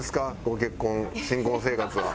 ご結婚新婚生活は。